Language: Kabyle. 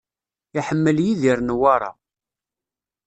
Iḥemmel Yidir Newwara.